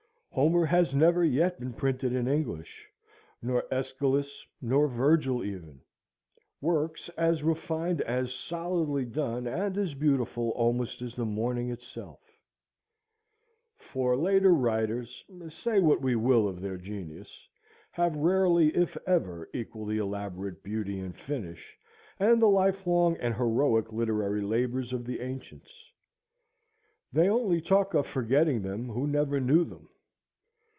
Homer has never yet been printed in English, nor Æschylus, nor Virgil even—works as refined, as solidly done, and as beautiful almost as the morning itself; for later writers, say what we will of their genius, have rarely, if ever, equalled the elaborate beauty and finish and the lifelong and heroic literary labors of the ancients. They only talk of forgetting them who never knew them.